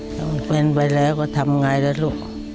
ถ้ามันเป็นไปแล้วก็ทำไงล่ะลูก